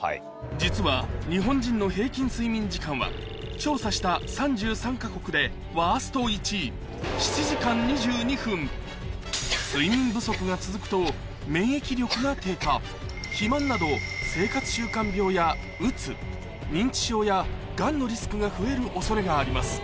実は日本人の平均睡眠時間は調査した３３か国でワースト１位睡眠不足が続くと免疫力が低下肥満など生活習慣病やうつ認知症やガンのリスクが増える恐れがあります